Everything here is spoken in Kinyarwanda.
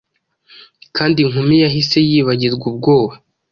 Kandi inkumi yahise yibagirwa ubwoba.